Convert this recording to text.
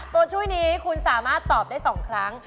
ตัวช่วยนี้คุณสามารถตอบได้๒ครั้ง